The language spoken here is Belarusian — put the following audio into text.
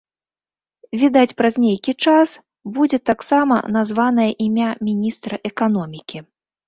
Відаць, праз нейкі час будзе таксама названае імя міністра эканомікі.